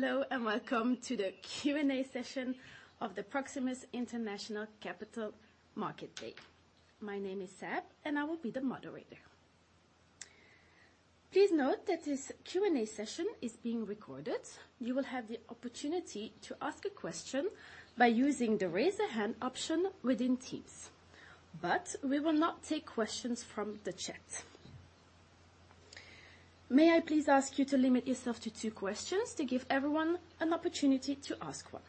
Hello, and welcome to the Q&A session of the Proximus International Capital Market Day. My name is Seb, and I will be the moderator. Please note that this Q&A session is being recorded. You will have the opportunity to ask a question by using the raise a hand option within Teams, but we will not take questions from the chat. May I please ask you to limit yourself to two questions to give everyone an opportunity to ask one?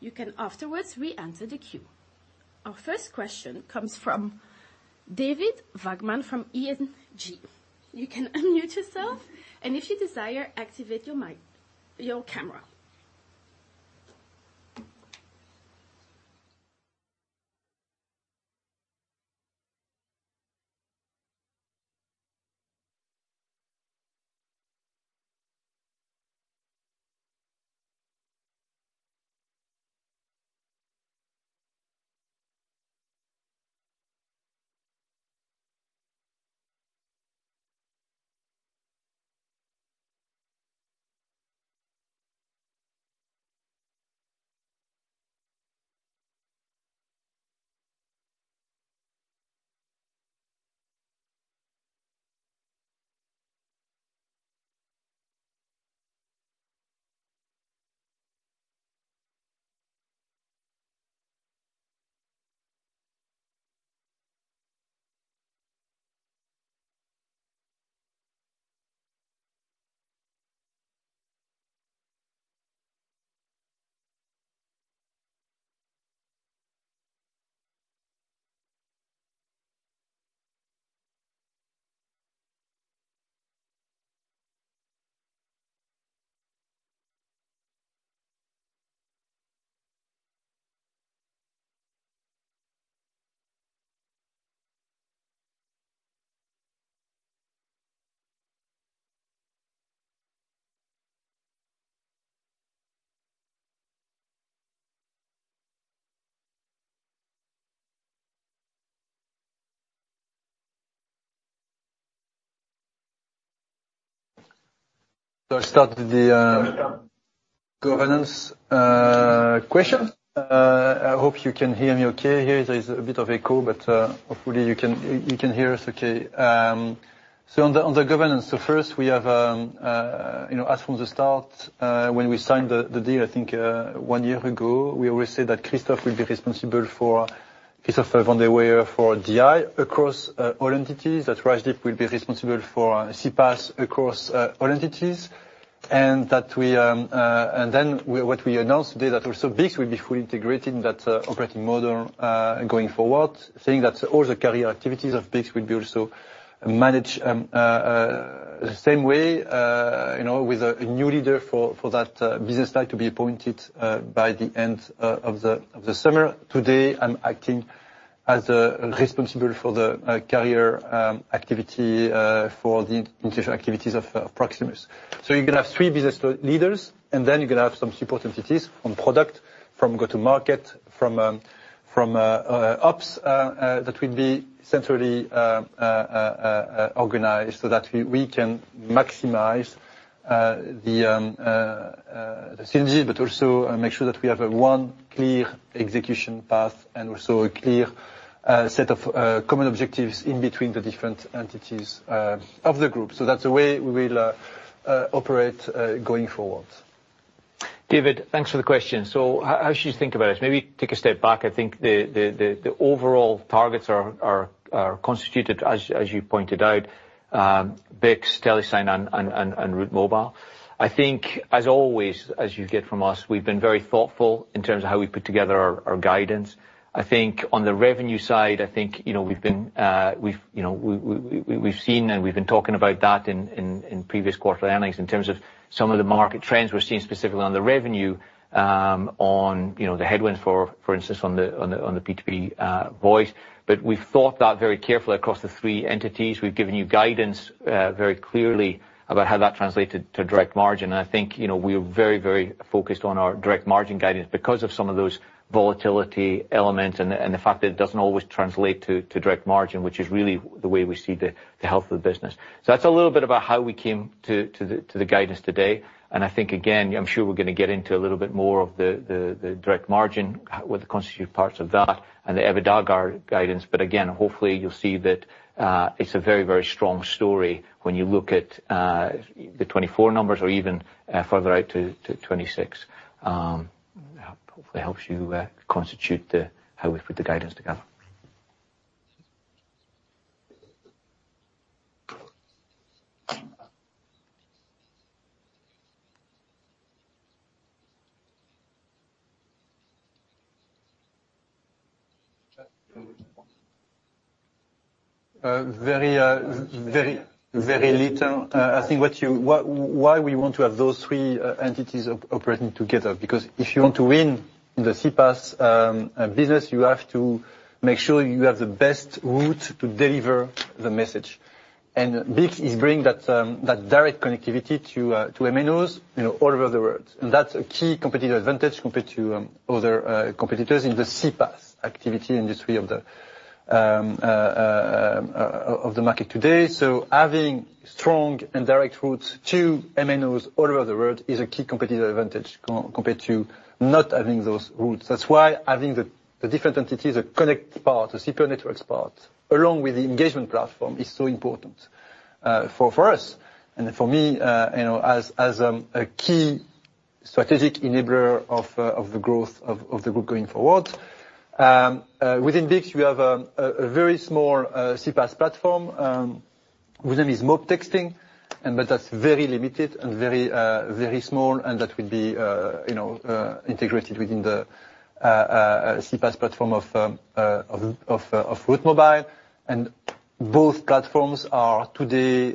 You can afterwards re-enter the queue. Our first question comes from David Vagman, from ING. You can unmute yourself, and if you desire, activate your mic, your camera. So I start with the governance question. I hope you can hear me okay here. There is a bit of echo, but, hopefully you can, you can hear us okay. So on the governance, so first we have, you know, as from the start, when we signed the deal, I think, one year ago, we always said that Christophe will be responsible for, Christophe Van de Weyer for DI across all entities, that Rajdeep will be responsible for CPaaS across all entities. What we announced today, that also BICS will be fully integrated in that operating model going forward, saying that all the carrier activities of BICS will be also managed the same way, you know, with a new leader for that business line to be appointed by the end of the summer. Today, I'm acting as the responsible for the carrier activity for the international activities of Proximus. So you're going to have three business leaders, and then you're going to have some support entities on product, from go-to-market, from ops, that will be centrally organized, so that we can maximize the synergy, but also make sure that we have a one clear execution path and also a clear set of common objectives in between the different entities of the group. So that's the way we will operate going forward. David, thanks for the question. So how should you think about it? Maybe take a step back. I think the overall targets are constituted, as you pointed out, BICS, Telesign, and Route Mobile. I think, as always, as you get from us, we've been very thoughtful in terms of how we put together our guidance. I think on the revenue side, I think, you know, we've been, we've, you know, we've seen and we've been talking about that in previous quarterly earnings in terms of some of the market trends we're seeing, specifically on the revenue, on, you know, the headwinds for instance on the P2P voice. But we've thought that very carefully across the three entities. We've given you guidance very clearly about how that translated to direct margin. And I think, you know, we are very, very focused on our direct margin guidance because of some of those volatility elements and the fact that it doesn't always translate to direct margin, which is really the way we see the health of the business. So that's a little bit about how we came to the guidance today. And I think, again, I'm sure we're going to get into a little bit more of the direct margin, what the constituent parts of that, and the EBITDA guidance. But again, hopefully, you'll see that it's a very, very strong story when you look at the 2024 numbers or even further out to 2026. Hopefully helps you constitute the how we put the guidance together. Very, very, very little. I think what you, why we want to have those three entities operating together, because if you want to win the CPaaS business, you have to make sure you have the best route to deliver the message. And BICS is bringing that direct connectivity to MNOs, you know, all over the world. And that's a key competitive advantage compared to other competitors in the CPaaS activity industry of the market today. So having strong and direct routes to MNOs all over the world is a key competitive advantage compared to not having those routes. That's why having the different entities, the connect part, the CP networks part, along with the engagement platform, is so important for us and for me, you know, as a key strategic enabler of the growth of the group going forward. Within BICS, we have a very small CPaaS platform. Within it is Mobtexting, but that's very limited and very small, and that will be, you know, integrated within the CPaaS platform of Route Mobile. And both platforms are today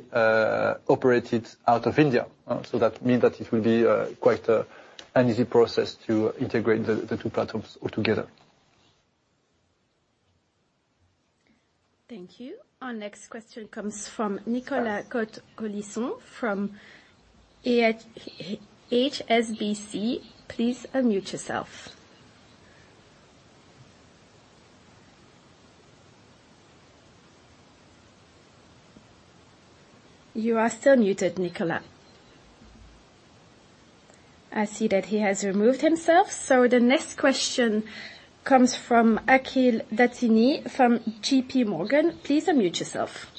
operated out of India, so that means that it will be quite an easy process to integrate the two platforms altogether. Thank you. Our next question comes from Nicolas Cote-Colisson from HSBC. Please unmute yourself. You are still muted, Nicolas. I see that he has removed himself, so the next question comes from Akhil Dattani from JPMorgan. Please unmute yourself.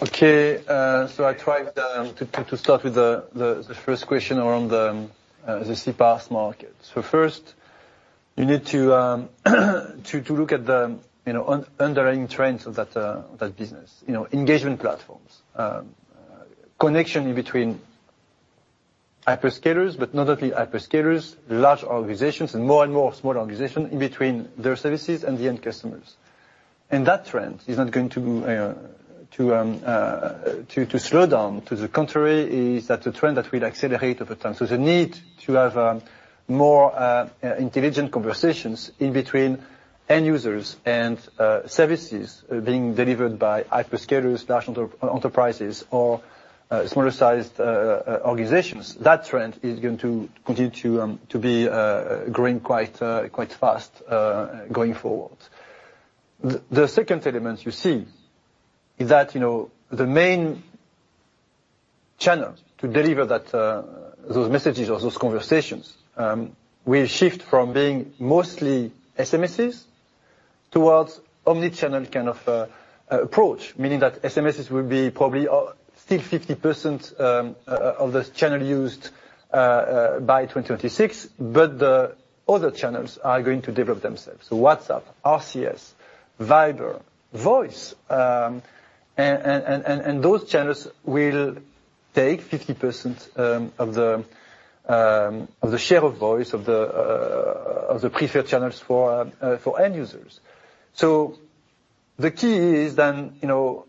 Okay. So I try to start with the first question around the CPaaS market. So first, you need to look at the, you know, underlying trends of that business. You know, engagement platforms, connection between hyperscalers, but not only hyperscalers, large organizations, and more and more smaller organizations in between their services and the end customers. And that trend is not going to slow down. To the contrary, it's a trend that will accelerate over time. So the need to have more intelligent conversations in between end users and services being delivered by hyperscalers, national enterprises or smaller-sized organizations, that trend is going to continue to be growing quite fast going forward. The second element you see is that, you know, the main channel to deliver that, those messages or those conversations, will shift from being mostly SMSs towards omni-channel kind of, approach. Meaning that SMSs will be probably, still 50%, of the channel used, by 2026, but the other channels are going to develop themselves. So WhatsApp, RCS, Viber, Voice, and those channels will take 50%, of the, of the share of voice of the, of the preferred channels for, for end users. So the key is then, you know,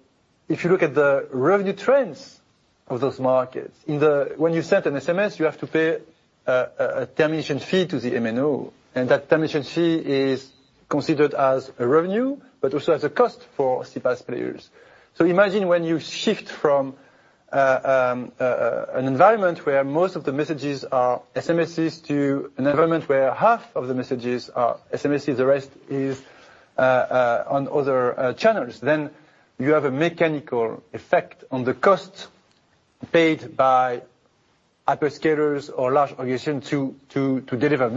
if you look at the revenue trends of those markets, in the, when you send an SMS, you have to pay a termination fee to the MNO, and that termination fee is considered as a revenue, but also as a cost for CPaaS players. So imagine when you shift from an environment where most of the messages are SMSs to an environment where half of the messages are SMSs, the rest is on other channels, then you have a mechanical effect on the cost paid by hyperscalers or large organizations to deliver a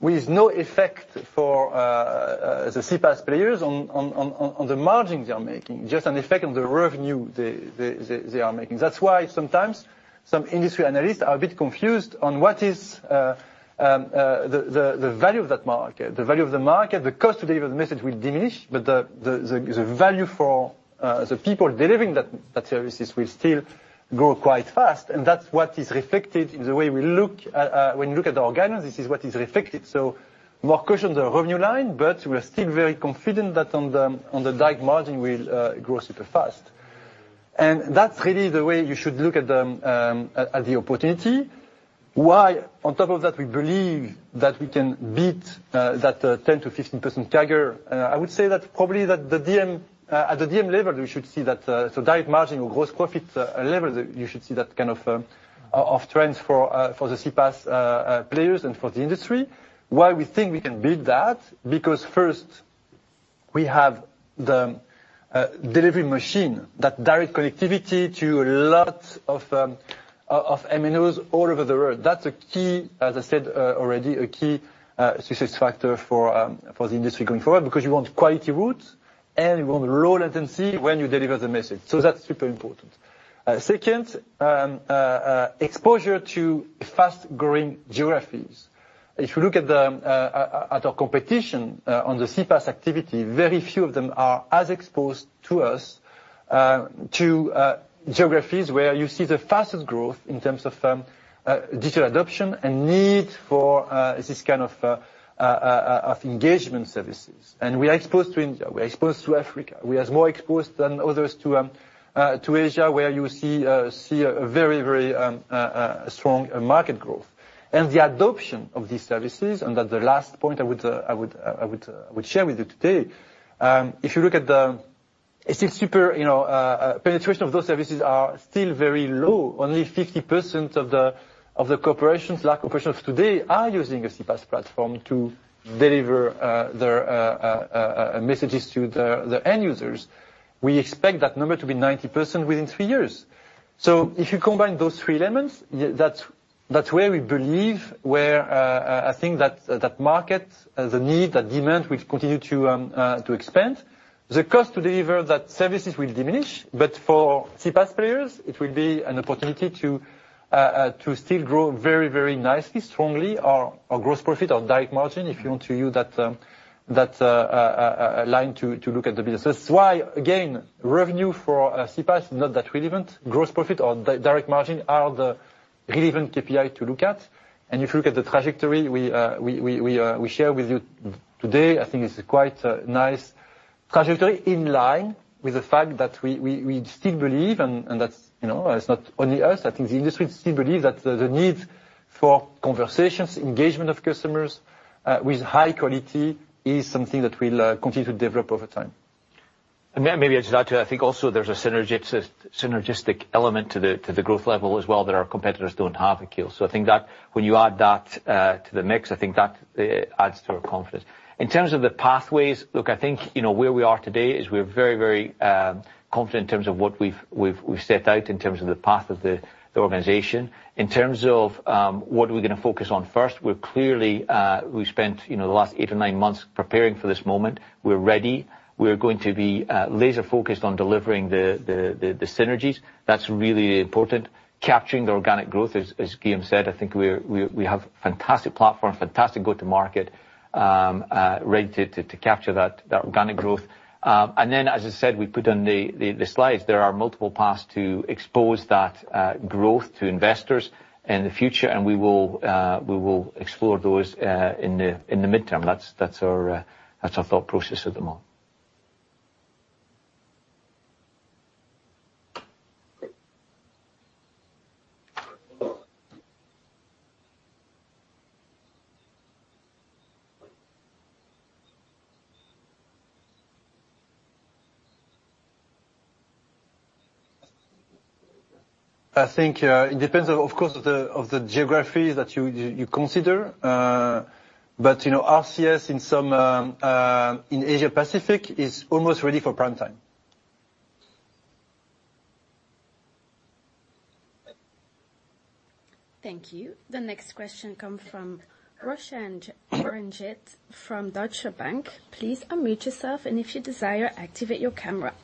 message, with no effect for the CPaaS players on the margins they are making, just an effect on the revenue they are making. That's why sometimes some industry analysts are a bit confused on what is the value of that market. The value of the market, the cost to deliver the message will diminish, but the value for the people delivering that services will still grow quite fast, and that's what is reflected in the way we look when you look at the organization, this is what is reflected. So more caution on the revenue line, but we are still very confident that on the direct margin, we'll grow super fast. And that's really the way you should look at the opportunity. Why, on top of that, we believe that we can beat that 10%-15% CAGR? I would say that probably that the DM, at the DM level, we should see that, so direct margin or gross profit, level, you should see that kind of, of trends for, for the CPaaS, players and for the industry. Why we think we can build that? Because first, we have the, delivery machine, that direct connectivity to a lot of, of MNOs all over the world. That's a key, as I said, already, a key, success factor for, for the industry going forward, because you want quality routes, and you want low latency when you deliver the message. So that's super important. Second, exposure to fast-growing geographies. If you look at our competition on the CPaaS activity, very few of them are as exposed to geographies where you see the fastest growth in terms of digital adoption and need for this kind of engagement services. And we are exposed to India, we're exposed to Africa. We are more exposed than others to Asia, where you see a very strong market growth. And the adoption of these services, and that the last point I would share with you today, if you look at the—It's still super, you know, penetration of those services are still very low. Only 50% of the corporations, large corporations today are using a CPaaS platform to deliver their messages to the end users. We expect that number to be 90% within three years. So if you combine those three elements, that's, that's where we believe, where, I think that, that market, the need, that demand, will continue to expand. The cost to deliver that services will diminish, but for CPaaS players, it will be an opportunity to still grow very, very nicely, strongly, our, our gross profit or Direct Margin, if you want to use that, that line to look at the business. That's why, again, revenue for CPaaS is not that relevant. Gross profit or direct margin are the relevant KPI to look at. And if you look at the trajectory we share with you today, I think it's quite nice trajectory in line with the fact that we still believe, and that's, you know, it's not only us, I think the industry still believe that the need for conversations, engagement of customers with high quality is something that will continue to develop over time. Maybe I'll just add to it. I think also there's a synergistic element to the growth level as well, that our competitors don't have, Akhil. So I think that when you add that to the mix, I think that adds to our confidence. In terms of the pathways, look, I think, you know, where we are today is we're very, very confident in terms of what we've set out in terms of the path of the organization. In terms of what we're going to focus on first, we're clearly we've spent, you know, the last eight or nine months preparing for this moment. We're ready. We're going to be laser focused on delivering the synergies. That's really important. Capturing the organic growth, as Guillaume said, I think we have fantastic platform, fantastic go-to-market, ready to capture that organic growth. And then, as I said, we put on the slides, there are multiple paths to expose that growth to investors in the future, and we will explore those in the midterm. That's our thought process at the moment. I think it depends, of course, on the geographies that you consider, but you know, RCS in Asia-Pacific is almost ready for prime time. Thank you. The next question comes from Roshan Ranjit from Deutsche Bank. Please unmute yourself, and if you desire, activate your camera.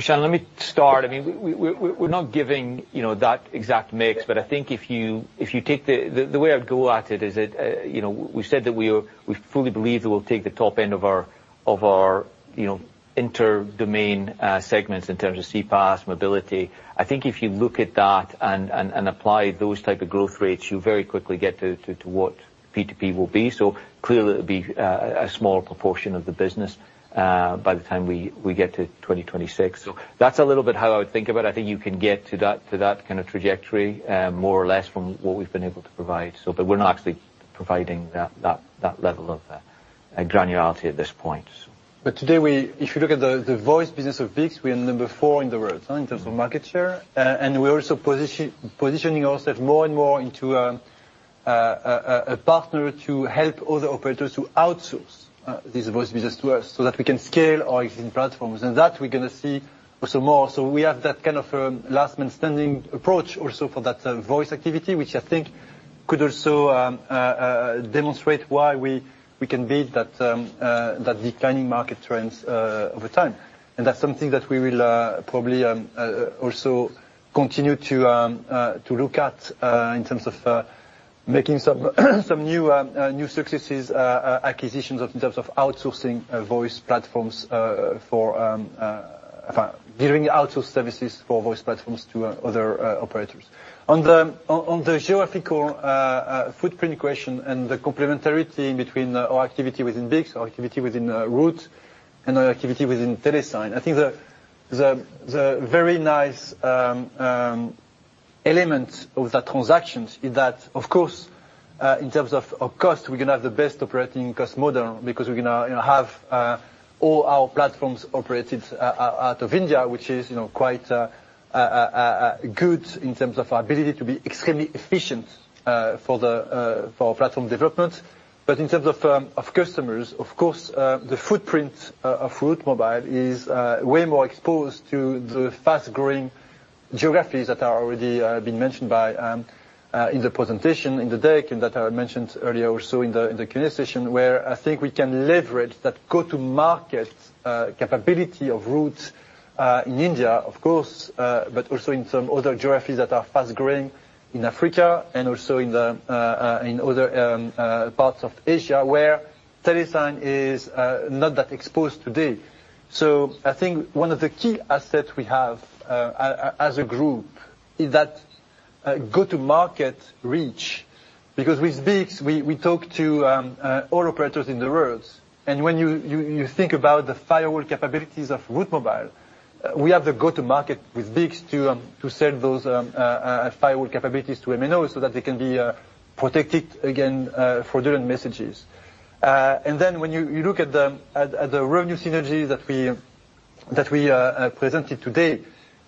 Roshan, let me start. I mean, we're not giving, you know, that exact mix, but I think if you take the—the way I'd go at it is that, you know, we've said that we fully believe that we'll take the top end of our, of our, you know, inter-domain, segments in terms of CPaaS, mobility. I think if you look at that and apply those type of growth rates, you very quickly get to what P2P will be. So clearly, it'll be a small proportion of the business, by the time we get to 2026. So that's a little bit how I would think about it. I think you can get to that kind of trajectory, more or less from what we've been able to provide. But we're not actually providing that level of granularity at this point. But today, if you look at the voice business of BICS, we are number 4 in the world in terms of market share. And we're also positioning ourselves more and more into a partner to help other operators to outsource this voice business to us, so that we can scale our existing platforms. And that we're gonna see also more. So we have that kind of last man standing approach also for that voice activity, which I think could also demonstrate why we can beat that declining market trends over time. And that's something that we will probably also continue to look at, in terms of making some new successes acquisitions, in terms of outsourcing voice platforms for giving outsource services for voice platforms to other operators. On the geographical footprint question and the complementarity between our activity within BICS, our activity within Root and our activity within Telesign, I think the very nice element of that transaction is that, of course, in terms of cost, we're gonna have the best operating cost model, because we're gonna, you know, have all our platforms operated out of India, which is, you know, quite good in terms of our ability to be extremely efficient for platform development. But in terms of of customers, of course, the footprint of Route Mobile is way more exposed to the fast-growing geographies that are already been mentioned by in the presentation, in the deck, and that I mentioned earlier also in the in the Q&A session, where I think we can leverage that go-to market capability of Root in India, of course, but also in some other geographies that are fast growing in Africa and also in the in other parts of Asia, where Telesign is not that exposed today. So I think one of the key assets we have as a group is that go-to market reach, because with BICS, we talk to all operators in the world. When you think about the firewall capabilities of Route Mobile, we have to go to market with BICS to sell those firewall capabilities to MNOs, so that they can be protected against fraudulent messages. And then when you look at the revenue synergies that we presented today,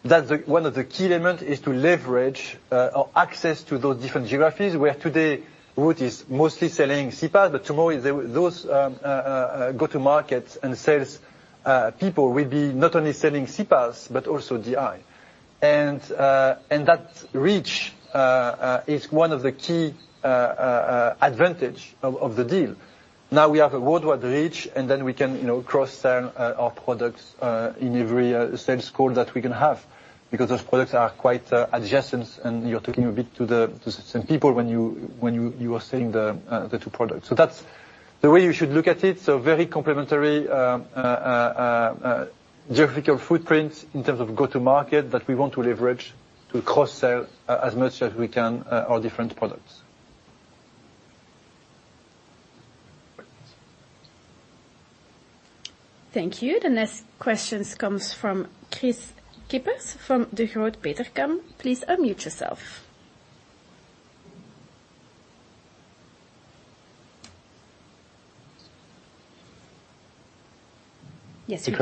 that's the one of the key elements is to leverage access to those different geographies, where today Root is mostly selling CPaaS, but tomorrow those go-to markets and sales people will be not only selling CPaaS, but also DI. And that reach is one of the key advantage of the deal. Now we have a worldwide reach, and then we can, you know, cross-sell our products in every sales call that we can have, because those products are quite adjacent, and you're talking a bit to the same people when you are selling the two products. So that's the way you should look at it. So very complementary geographical footprint in terms of go-to-market, that we want to leverage to cross-sell as much as we can our different products. Thank you. The next questions comes from Kris Kippers from Degroof Petercam. Please unmute yourself. Yes, you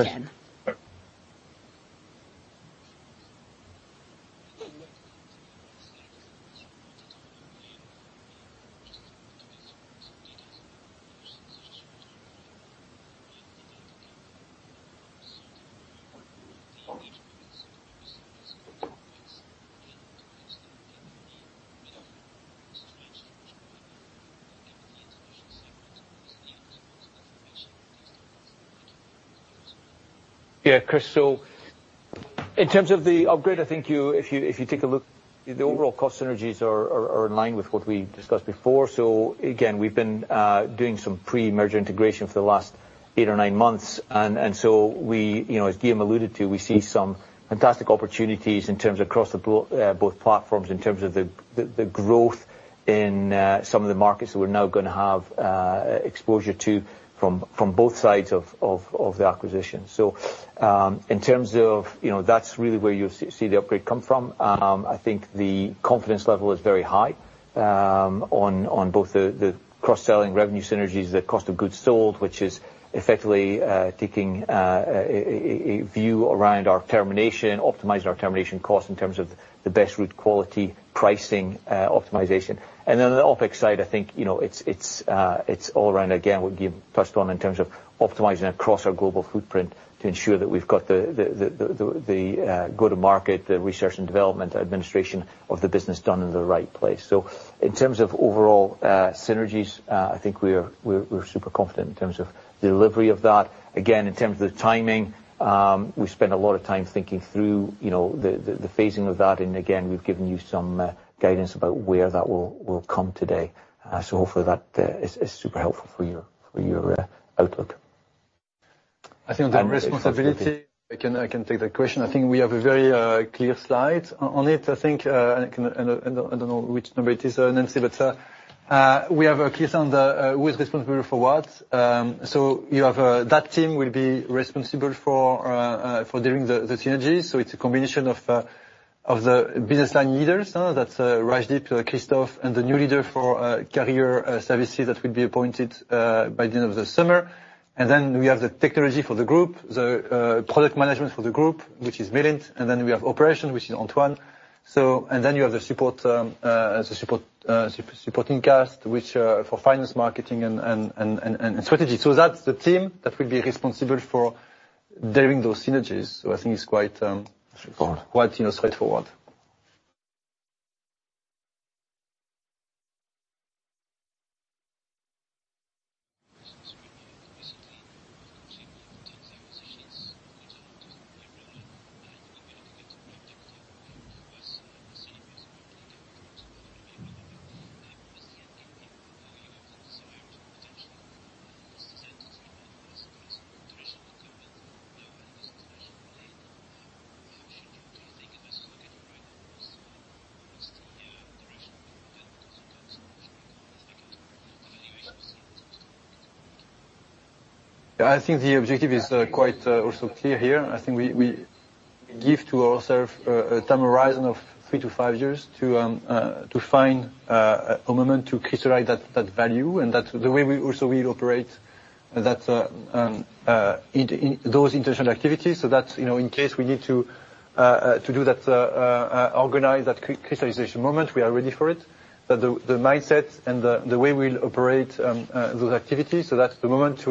can. Yeah, Kris. So in terms of the upgrade, I think you, if you take a look, the overall cost synergies are in line with what we discussed before. So again, we've been doing some pre-merger integration for the last 8 or 9 months. And so we, you know, as Guillaume alluded to, we see some fantastic opportunities in terms of across the both platforms, in terms of the growth in some of the markets that we're now gonna have exposure to from both sides of the acquisition. So in terms of, you know, that's really where you'll see the upgrade come from. I think the confidence level is very high, on both the cross-selling revenue synergies, the cost of goods sold, which is effectively taking a view around our termination, optimizing our termination costs in terms of the best route, quality, pricing, optimization. And then on the OpEx side, I think, you know, it's, it's, it's all around, again, what Guillaume touched on in terms of optimizing across our global footprint to ensure that we've got the go-to market, the research and development, administration of the business done in the right place. So in terms of overall synergies, I think we're super confident in terms of the delivery of that. Again, in terms of the timing, we spent a lot of time thinking through, you know, the phasing of that. And again, we've given you some guidance about where that will come today. So hopefully that is super helpful for your outlook. I think on responsibility, I can take that question. I think we have a very clear slide on it. I think and I don't know which number it is, Nancy, but we have a clear stance on who is responsible for what. So you have that team will be responsible for doing the synergies. So it's a combination of the business line leaders, huh? That's Rajdeep, Christophe, and the new leader for carrier services that will be appointed by the end of the summer. And then we have the technology for the group, the product management for the group, which is Milind, and then we have operation, which is Antoine. And then you have the support, supporting cast, which for finance, marketing, and strategy. So that's the team that will be responsible for driving those synergies. So I think it's quite, you know, straightforward. I think the objective is quite also clear here. I think we give to ourself a time horizon of 3-5 years to find a moment to crystallize that value, and that's the way we also will operate. That in those international activities, so that, you know, in case we need to do that, organize that crystallization moment, we are ready for it. That the mindset and the way we'll operate those activities, so that's the moment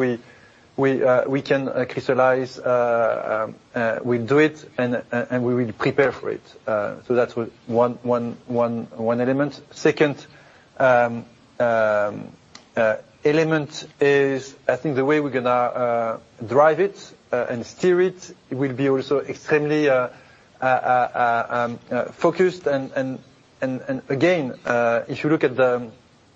we can crystallize, we'll do it, and we will prepare for it. So that's what one element. Second element is I think the way we're gonna drive it and steer it will be also extremely focused. And again, if you look at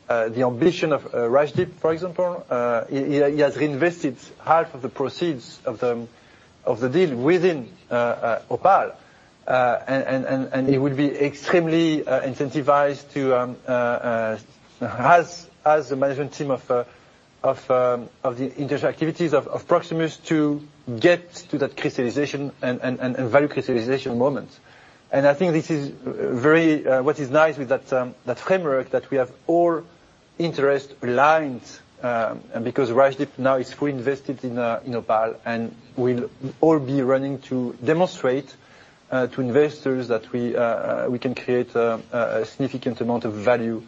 the ambition of Rajdeep, for example, he has reinvested half of the proceeds of the deal within Opal. And he will be extremely incentivized to, as the management team of the international activities of Proximus, get to that crystallization and value crystallization moment. And I think this is very, what is nice with that framework, that we have all interests aligned, and because Rajdeep now is co-invested in Opal, and we'll all be running to demonstrate to investors that we can create a significant amount of value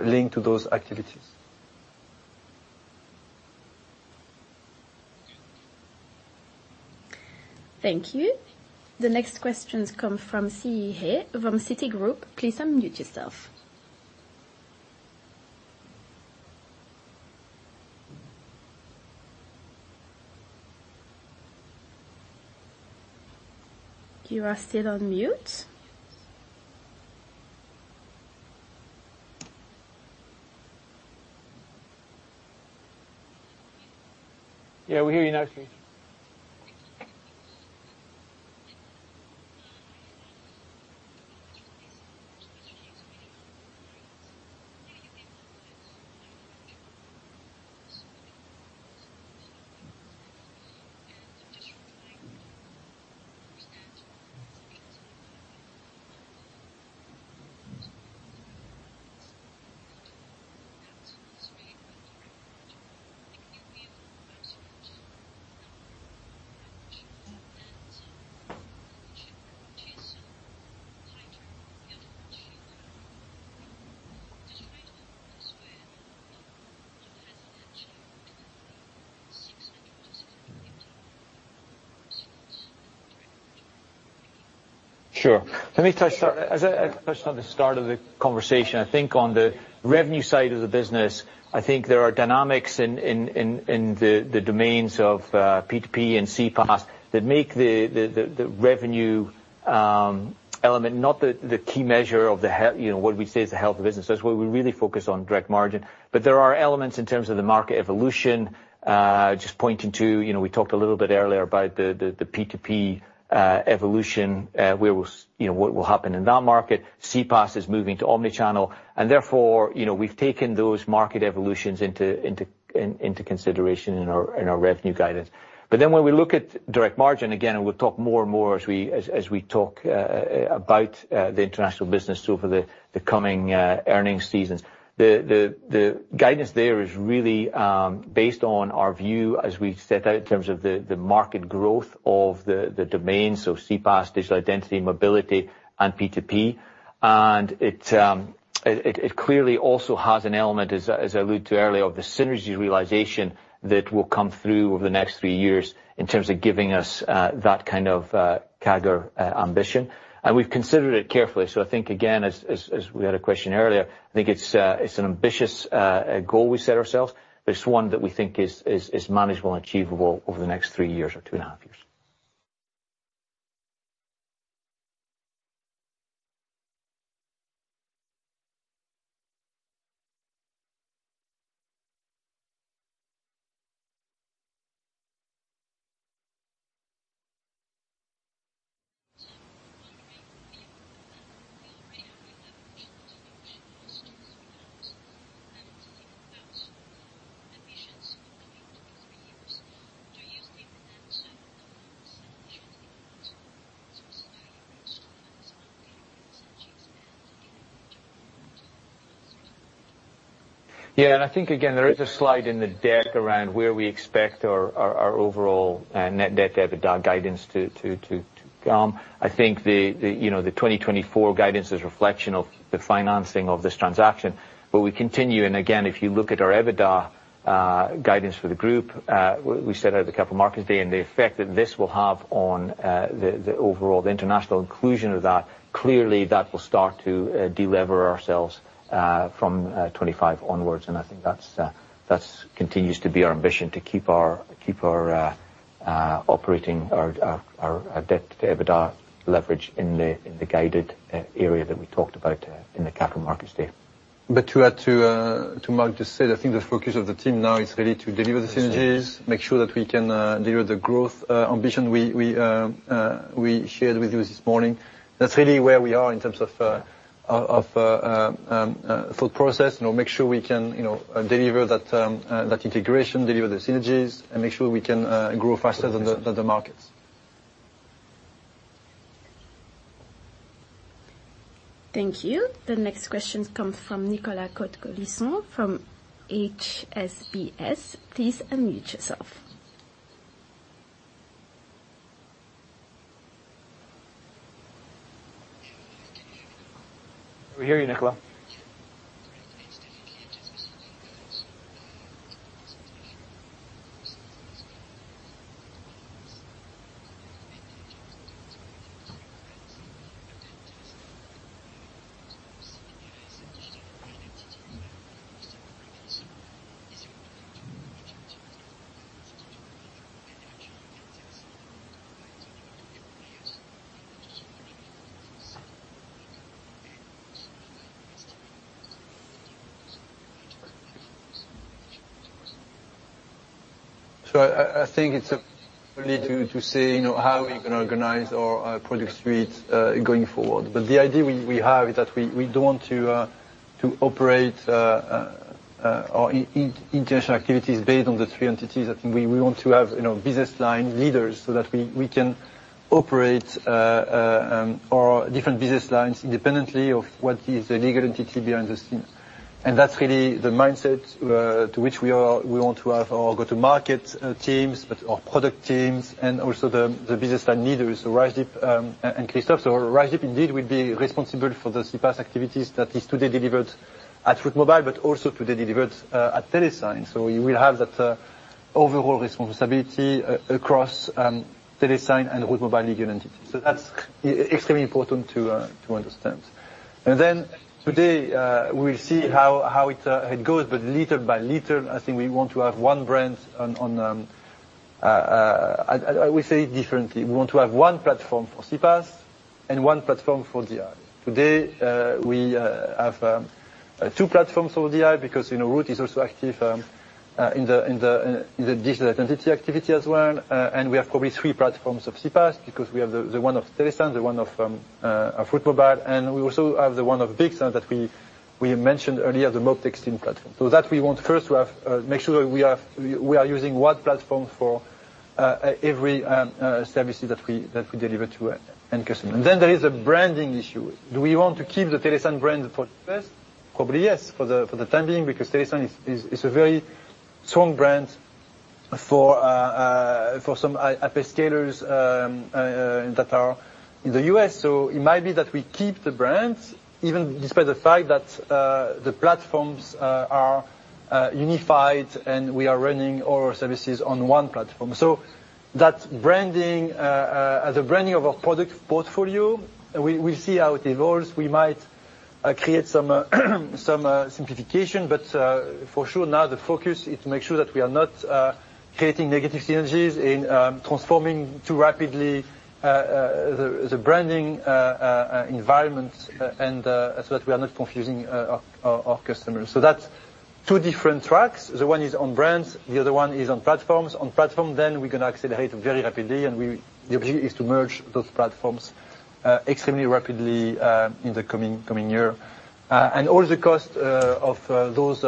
linked to those activities. Thank you. The next questions come from Siyi He from Citigroup. Please unmute yourself. You are still on mute. Yeah, we hear you now, Siyi. Sure. Let me touch on—as I touched on the start of the conversation, I think on the revenue side of the business, I think there are dynamics in the domains of P2P and CPaaS, that make the revenue element not the key measure of the you know, what we'd say is the health of the business. That's why we really focus on direct margin. But there are elements in terms of the market evolution. Just pointing to, you know, we talked a little bit earlier about the P2P evolution, where was, you know, what will happen in that market. CPaaS is moving to omni-channel, and therefore, you know, we've taken those market evolutions into consideration in our revenue guidance. But then when we look at Direct Margin, again, and we'll talk more and more as we talk about the international business over the coming earnings seasons. The guidance there is really based on our view as we set out in terms of the market growth of the domains, so CPaaS, Digital Identity, mobility, and P2P. And it clearly also has an element, as I alluded to earlier, of the synergy realization that will come through over the next three years in terms of giving us that kind of CAGR ambition. And we've considered it carefully. So I think, again, as we had a question earlier, I think it's an ambitious goal we set ourselves, but it's one that we think is manageable and achievable over the next three years or two and a half years. Yeah, and I think, again, there is a slide in the deck around where we expect our overall net debt to EBITDA guidance to come. I think the, you know, the 2024 guidance is a reflection of the financing of this transaction. But we continue, and again, if you look at our EBITDA guidance for the group, we set out the Capital Markets Day and the effect that this will have on the overall international inclusion of that, clearly that will start to de-lever ourselves from 2025 onwards. And I think that continues to be our ambition, to keep our operating debt to EBITDA leverage in the guided area that we talked about in the Capital Markets Day. But to add to what Mark just said, I think the focus of the team now is really to deliver the synergies, make sure that we can deliver the growth ambition we shared with you this morning. That's really where we are in terms of thought process. You know, make sure we can, you know, deliver that integration, deliver the synergies, and make sure we can grow faster than the markets. Thank you. The next question comes from Nicolas Cote-Colisson from HSBC. Please unmute yourself. We hear you, Nicolas. So I think it's a need to say, you know, how we can organize our product suite going forward. But the idea we have is that we don't want to operate our international activities based on the three entities. I think we want to have, you know, business line leaders so that we can operate our different business lines independently of what is the legal entity behind the scenes. And that's really the mindset to which we want to have our go-to-market teams, but our product teams and also the business line leaders, so Rajdeep and Christophe. So Rajdeep, indeed, will be responsible for the CPaaS activities that is today delivered at Route Mobile, but also today delivered at Telesign. So we will have that overall responsibility across Telesign and Route Mobile legal entities. So that's extremely important to understand. And then today, we'll see how it goes, but little by little, I think we want to have one brand on—I will say it differently. We want to have one platform for CPaaS and one platform for DI. Today, we have two platforms for DI, because, you know, Root is also active in the digital identity activity as well. And we have probably three platforms of CPaaS, because we have the one of Telesign, the one of Route Mobile, and we also have the one of BICS that we mentioned earlier, the Mobtexting platform. So that we want first to have, make sure that we are, we are using one platform for, every, services that we, that we deliver to end customer. And then there is a branding issue. Do we want to keep the Telesign brand for this? Probably, yes, for the, for the time being, because Telesign is, is a very strong brand for, for some hyperscalers, that are in the U.S. So it might be that we keep the brand, even despite the fact that, the platforms, are, unified, and we are running all our services on one platform. So that branding, as a branding of our product portfolio, we, we see how it evolves. We might create some simplification, but for sure, now the focus is to make sure that we are not creating negative synergies in transforming too rapidly the branding environment, and so that we are not confusing our customers. So that's two different tracks. The one is on brands, the other one is on platforms. On platform, we're going to accelerate very rapidly, and the objective is to merge those platforms extremely rapidly in the coming year. And all the cost of those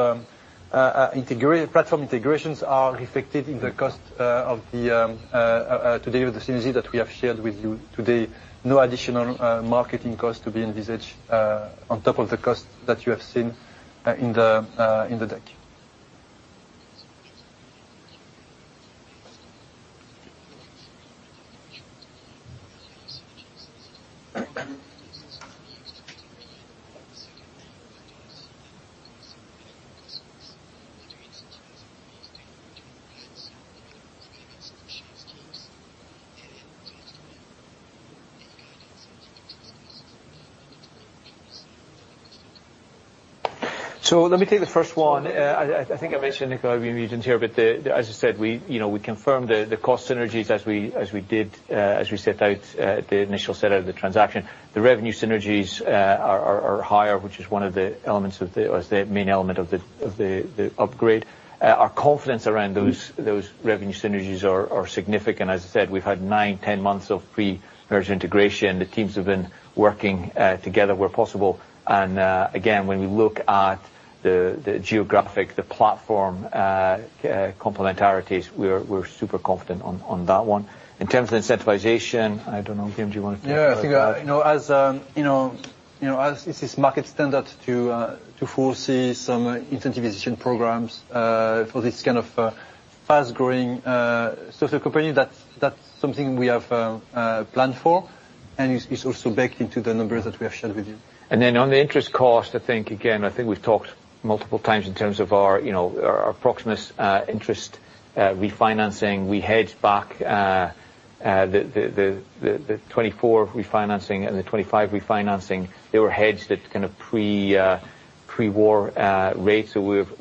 platform integrations are reflected in the cost to deliver the synergy that we have shared with you today. No additional marketing costs to be envisaged on top of the cost that you have seen in the deck. So let me take the first one. I think I mentioned, Nicolas, we muted here, but the—as I said, we, you know, we confirmed the cost synergies as we did, as we set out the initial set out of the transaction. The revenue synergies are higher, which is one of the elements of the, or is the main element of the upgrade. Our confidence around those revenue synergies are significant. As I said, we've had 9-10 months of pre-merger integration. The teams have been working together where possible. And again, when we look at the geographic, the platform complementarities, we're super confident on that one. In terms of incentivization, I don't know, Guillaume, do you want to talk about that? Yeah, I think, you know, as it's this market standard to foresee some incentivization programs for this kind of fast-growing social company, that's something we have planned for, and it's also baked into the numbers that we have shared with you. And then on the interest cost, I think again, I think we've talked multiple times in terms of our, you know, our approximate interest refinancing. We hedged back the 2024 refinancing and the 2025 refinancing. They were hedged at kind of pre-war rates. So we've,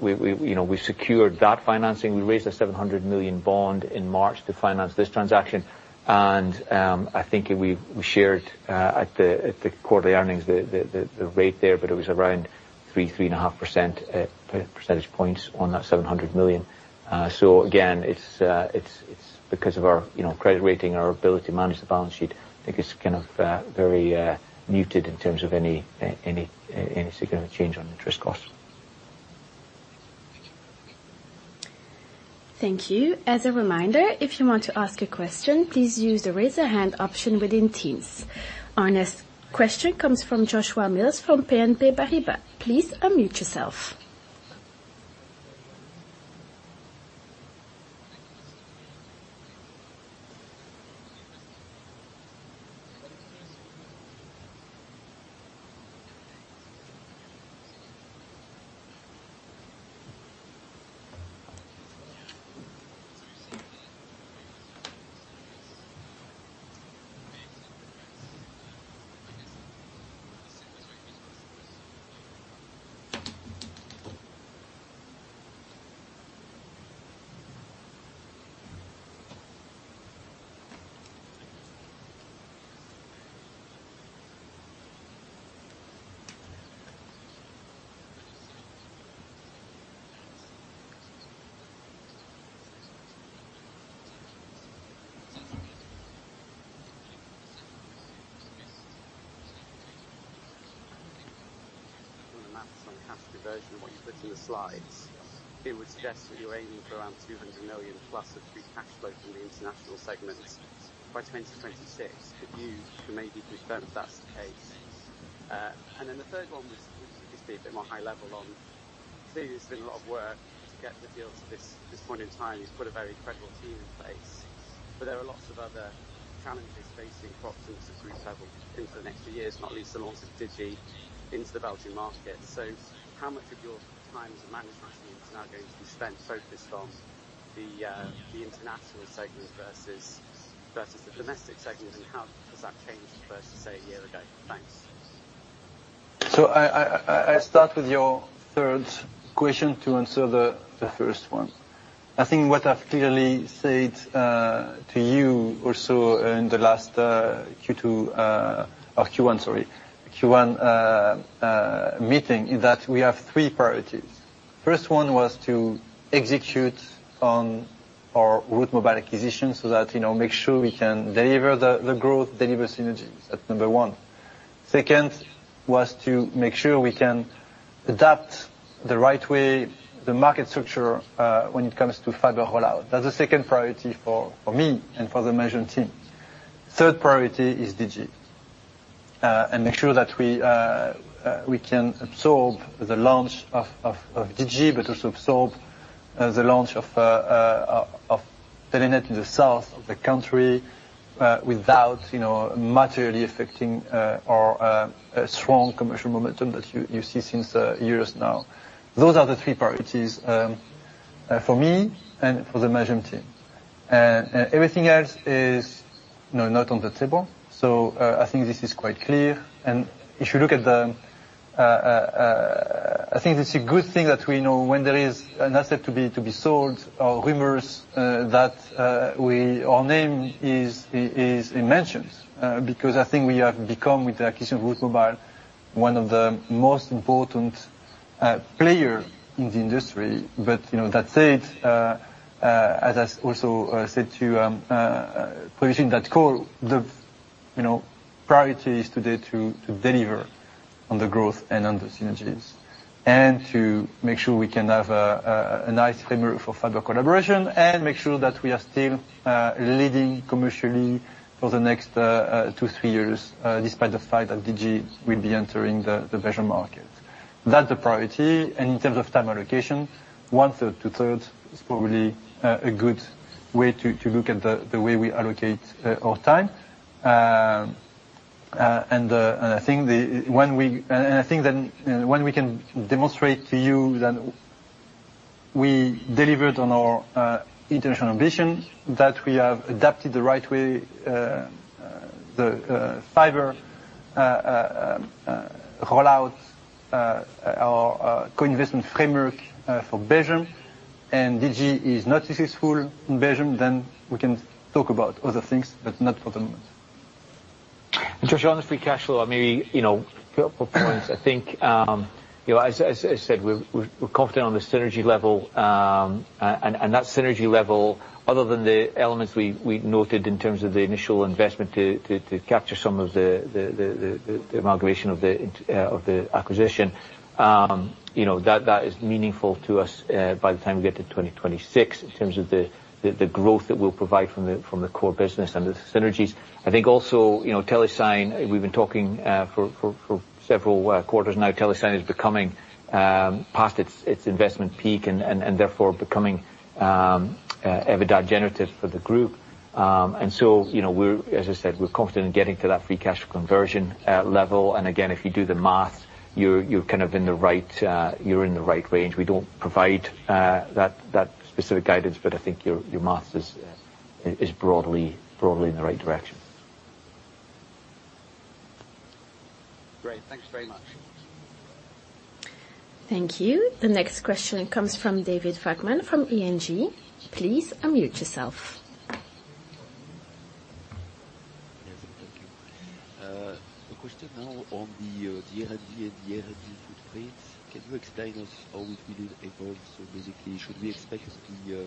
you know, we secured that financing. We raised a 700 million bond in March to finance this transaction, and I think we shared at the quarterly earnings the rate there, but it was around 3-3.5 percentage points on that 700 million. So again, it's because of our, you know, credit rating, our ability to manage the balance sheet. I think it's kind of very muted in terms of any significant change on interest costs. Thank you. As a reminder, if you want to ask a question, please use the Raise Your Hand option within Teams. Our next question comes from Joshua Mills from BNP Paribas. Please unmute yourself. On the maps, on the cash conversion, what you put in the slides, it would suggest that you're aiming for around 200 million+ of free cash flow from the international segments by 2026. Could you maybe confirm if that's the case? And then the third one was to be a bit more high level on. Clearly, there's been a lot of work to get the deal to this point in time. You've put a very incredible team in place, but there are lots of other challenges facing Proximus at group level into the next few years, not least the launch of Digi into the Belgian market. So how much of your time as a management team is now going to be spent focused on the international segment versus the domestic segment, and how has that changed versus, say, a year ago? Thanks. So I start with your third question to answer the first one. I think what I've clearly said to you also in the last Q1 meeting is that we have three priorities. First one was to execute on our Route Mobile acquisition so that, you know, make sure we can deliver the growth, deliver synergies. That's number one. Second, was to make sure we can adapt the right way, the market structure when it comes to fiber rollout. That's the second priority for me and for the management team. Third priority is Digi. And make sure that we can absorb the launch of Digi, but also absorb the launch of Telenet in the south of the country, without, you know, materially affecting our strong commercial momentum that you see since years now. Those are the three priorities for me and for the management team. And everything else is, you know, not on the table. So, I think this is quite clear. And if you look at the, I think it's a good thing that we know when there is an asset to be sold or rumors that we—our name is mentioned, because I think we have become, with the acquisition of Route Mobile, one of the most important player in the industry. But, you know, that said, as I also said to previously in that call, the, you know, priority is today to deliver on the growth and on the synergies, and to make sure we can have a nice framework for fiber collaboration, and make sure that we are still leading commercially for the next 2, 3 years, despite the fact that Digi will be entering the Belgian market. That's the priority, and in terms of time allocation, one third, two thirds is probably a good way to look at the way we allocate our time. And I think then, when we can demonstrate to you that we delivered on our international ambition, that we have adapted the right way, the fiber rollout, our co-investment framework for Belgium, and Digi is not successful in Belgium, then we can talk about other things, but not for the moment. And Joshua, on the free cash flow, maybe, you know, a couple points. I think, you know, as I said, we're confident on the synergy level. And that synergy level, other than the elements we noted in terms of the initial investment to capture some of the amalgamation of the acquisition, you know, that is meaningful to us, by the time we get to 2026, in terms of the growth that we'll provide from the core business and the synergies. I think also, you know, Telesign, we've been talking for several quarters now, Telesign is becoming past its investment peak and therefore becoming EBITDA generative for the group. And so, you know, we're, as I said, we're confident in getting to that free cash conversion level. And again, if you do the math, you're, you're kind of in the right, you're in the right range. We don't provide that, that specific guidance, but I think your, your math is, is broadly, broadly in the right direction. Great. Thanks very much. Thank you. The next question comes from David Vagman from ING. Please unmute yourself. Yes, and thank you. A question now on the R&D and the R&D footprints. Can you explain us how it will evolve? So basically, should we expect the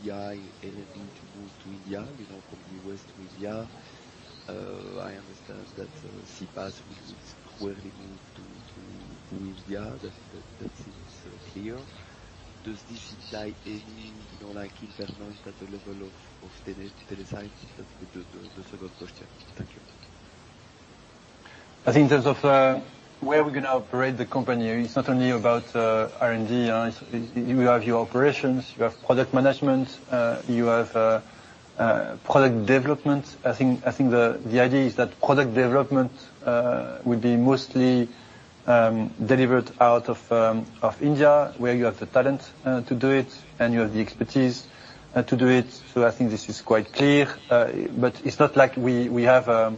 DI R&D to move to India, you know, from the U.S. to India? I understand that CPaaS, it's clearly moved to India. That seems clear. Does this imply any, you know, like impact at the level of Telesign? That's the second question. Thank you. I think in terms of where we're going to operate the company, it's not only about R&D. You have your operations, you have product management, you have product development. I think the idea is that product development will be mostly delivered out of India, where you have the talent to do it, and you have the expertise to do it. So I think this is quite clear, but it's not like we have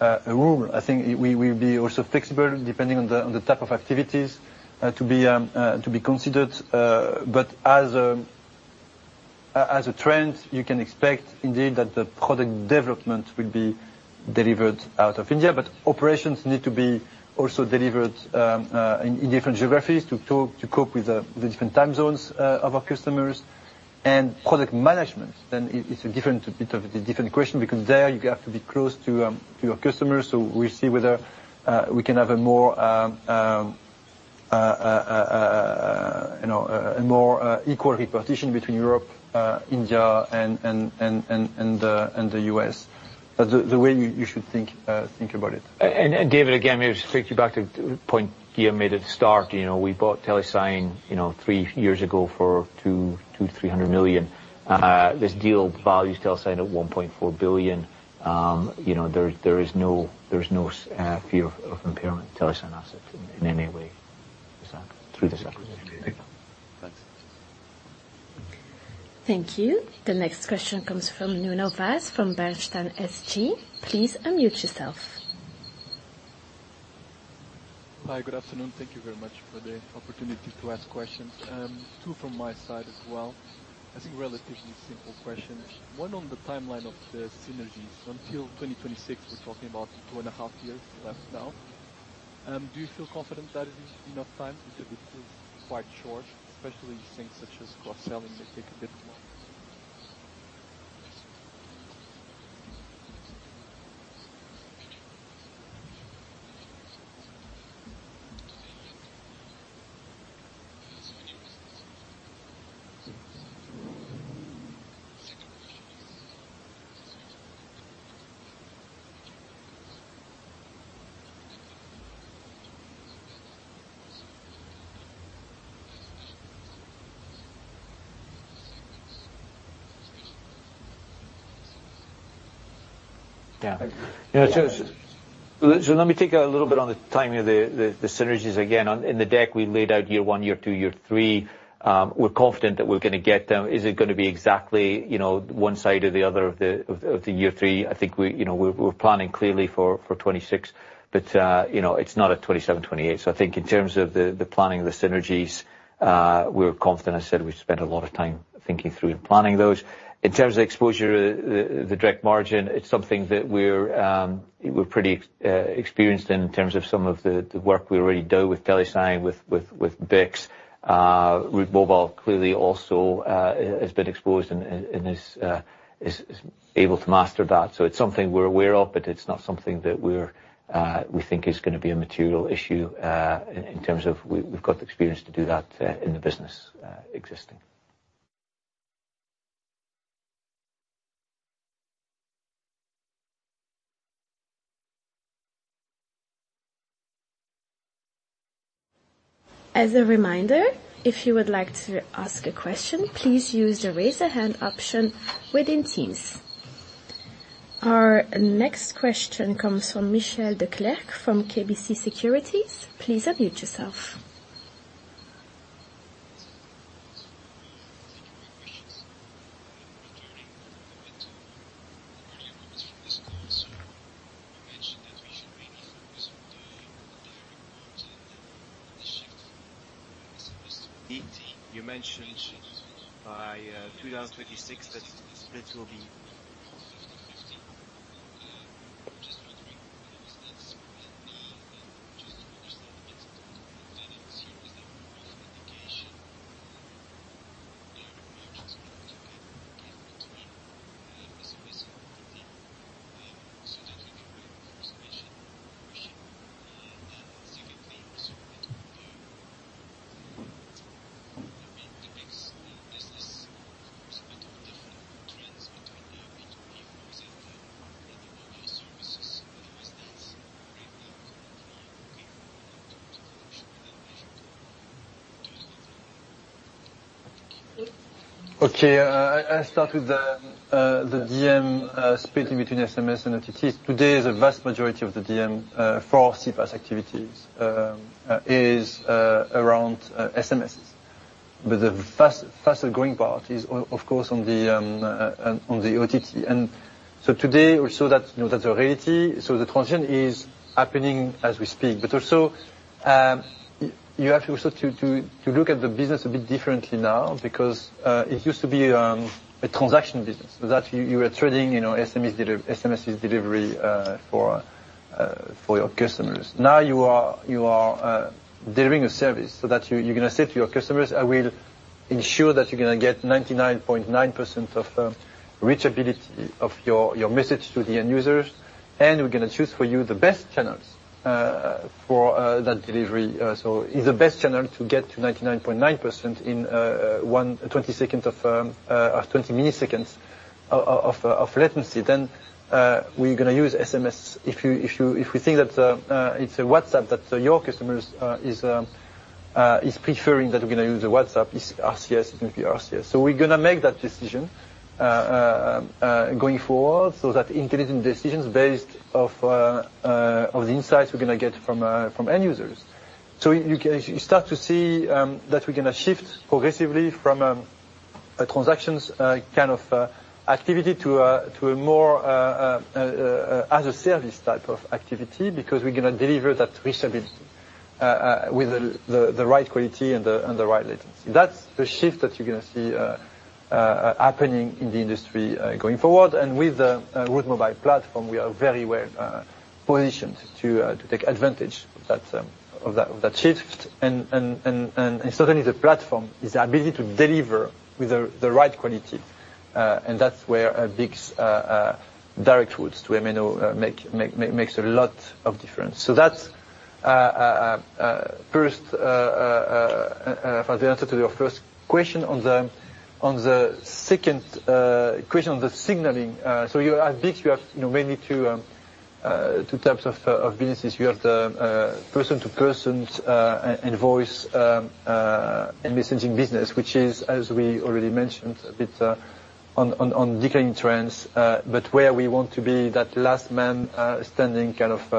a rule. I think we'll be also flexible, depending on the type of activities to be considered. But as a trend, you can expect indeed that the product development will be delivered out of India. But operations need to be also delivered in different geographies to cope with the different time zones of our customers. And product management, then it's a different, bit of a different question, because there you have to be close to your customers. So we'll see whether we can have a more, you know, a more equal repartition between Europe, India, and the US. But the way you should think about it. David, again, maybe to take you back to the point Guillaume made at the start, you know, we bought Telesign, you know, three years ago for 200 million-300 million. This deal values Telesign at 1.4 billion. You know, there is no fear of impairment Telesign asset in any way, through this acquisition. Thanks. Thank you. The next question comes from Nuno Vaz, from Bernstein SG. Please unmute yourself. Hi, good afternoon. Thank you very much for the opportunity to ask questions. Two from my side as well. I think relatively simple questions. One, on the timeline of the synergies. Until 2026, we're talking about two and a half years left now. Do you feel confident that is enough time? It feels quite short, especially things such as cross-selling may take a bit more. Yeah. Yeah, so let me take a little bit on the timing of the synergies again. In the deck, we laid out year 1, year 2, year 3. We're confident that we're going to get them. Is it going to be exactly, you know, one side or the other of the year 3? I think we, you know, we're planning clearly for 2026, but, you know, it's not at 2027, 2028. So I think in terms of the planning of the synergies, we're confident. I said we've spent a lot of time thinking through and planning those. In terms of exposure, the direct margin, it's something that we're pretty experienced in, in terms of some of the work we already do with Telesign, with BICS. Route Mobile clearly also has been exposed and is able to master that. So it's something we're aware of, but it's not something that we think is going to be a material issue in terms of we've got the experience to do that in the business existing. As a reminder, if you would like to ask a question, please use the raise a hand option within Teams. Our next question comes from Michiel Declercq from KBC Securities. Please unmute yourself. You mentioned that we should really focus on the very important shift. You mentioned by 2026, that will be. Okay, I start with the DM splitting between SMS and OTT. Today, the vast majority of the DM for CPaaS activities is around SMSs. But the faster growing part is of course on the OTT. And so today also that, you know, that's a reality. So the transition is happening as we speak. But also, you have to also look at the business a bit differently now, because it used to be a transaction business, so that you were trading, you know, SMSs delivery for your customers. Now you are delivering a service so that you, you're gonna say to your customers: "I will ensure that you're gonna get 99.9% of reachability of your message to the end users, and we're gonna choose for you the best channels for that delivery." So if the best channel to get to 99.9% in 120 seconds of 20 milliseconds of latency, then we're gonna use SMS. If we think that it's a WhatsApp that your customers is preferring, that we're gonna use a WhatsApp, it's RCS, it's gonna be RCS. So we're gonna make that decision going forward, so that intelligent decisions based off of the insights we're gonna get from end users. So you can—you start to see that we're gonna shift progressively from a transactions kind of activity to a more as a service type of activity, because we're gonna deliver that reachability with the right quality and the right latency. That's the shift that you're gonna see happening in the industry going forward. And with the mobile platform, we are very well positioned to take advantage of that shift. Certainly the platform is the ability to deliver with the right quality, and that's where BICS direct routes to MNO make a lot of difference. So that's first for the answer to your first question. On the second question on the signaling, so you at BICS, you have, you know, mainly two types of businesses. You have the person-to-person and voice and messaging business, which is, as we already mentioned, a bit on declining trends, but where we want to be that last man standing, kind of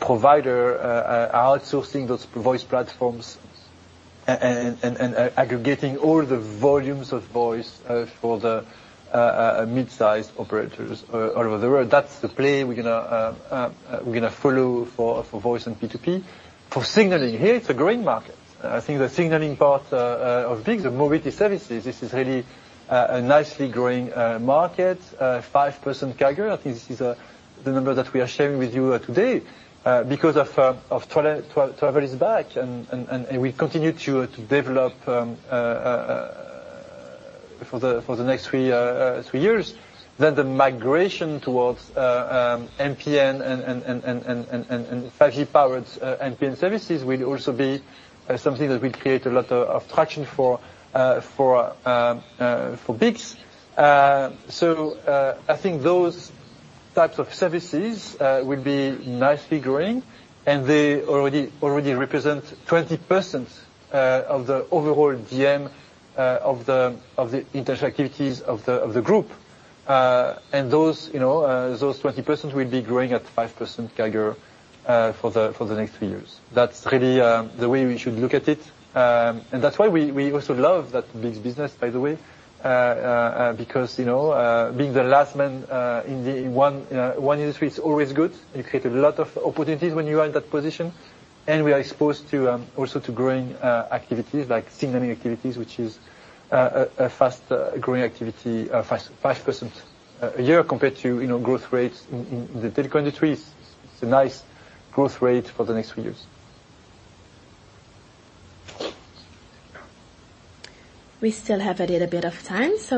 provider, outsourcing those voice platforms and aggregating all the volumes of voice for the mid-sized operators all over the world. That's the play we're gonna follow for voice and P2P. For signaling, here it's a growing market. I think the signaling part of BICS, the mobility services, this is really a nicely growing market. 5% CAGR, I think this is the number that we are sharing with you today, because of travel, travel is back. We continue to develop for the next three years. Then the migration towards MPN and 5G-powered MPN services will also be something that will create a lot of traction for BICS. So, I think those types of services will be nicely growing, and they already represent 20% of the overall GM of the international activities of the group. And those, you know, those 20% will be growing at 5% CAGR for the next three years. That's really the way we should look at it. And that's why we also love that BICS business, by the way, because, you know, being the last man in the one industry, it's always good. You create a lot of opportunities when you are in that position. And we are exposed also to growing activities like signaling activities, which is a fast growing activity, 5% a year compared to, you know, growth rates in the telecommunications industry. It's a nice growth rate for the next few years. We still have a little bit of time, so.